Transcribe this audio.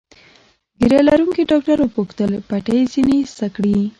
ږیره لرونکي ډاکټر وپوښتل: پټۍ ځینې ایسته کړي؟